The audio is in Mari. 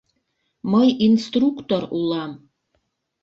Мый инструктор улам...